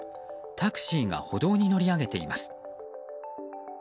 タクシーが歩道に乗り上げています。